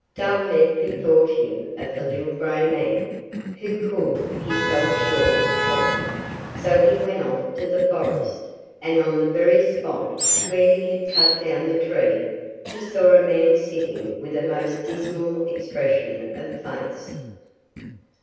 Dullhead bethought him of the little grey man, who could, he felt sure, help him; so he went off to the forest, and on the very spot where he had cut down the tree he saw a man sitting with a most dismal expression of face.